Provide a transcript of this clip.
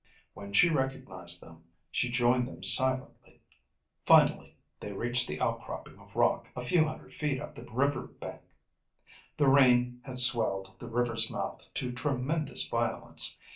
When she recognized them, she joined them silently. Finally they reached the outcropping of rock a few hundred feet up the river bank. The rain had swelled the river's mouth to tremendous violence.